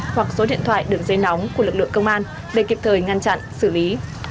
hoặc số điện thoại đường dây nóng của lực lượng công an để kịp thời ngăn chặn xử lý